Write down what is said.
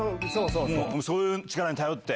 そういう力に頼って。